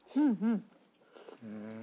うん！